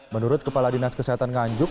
menurut kepala dinas kesehatan nganjuk